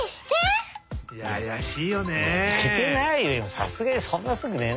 さすがにそんなすぐねないよ。